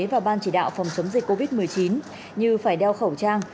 và ban chỉ đạo phòng chống dịch covid một mươi chín như phải đeo khẩu trang